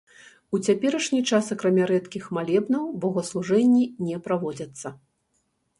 У цяперашні час, акрамя рэдкіх малебнаў, богаслужэнні не праводзяцца.